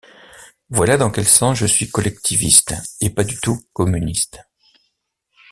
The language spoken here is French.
Voilà dans quel sens je suis collectiviste et pas du tout communiste.